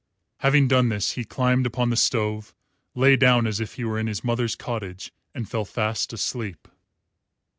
Having done this, he climbed upon the stove, lay down as if he were in his mother's cottage, and fell fast asleep.